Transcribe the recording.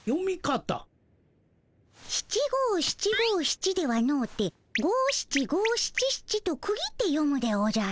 七五七五七ではのうて五七五七七と区切って読むでおじゃる。